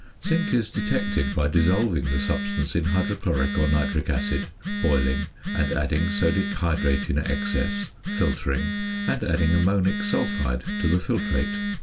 Zinc is detected by dissolving the substance in hydrochloric or nitric acid, boiling, and adding sodic hydrate in excess, filtering, and adding ammonic sulphide to the filtrate.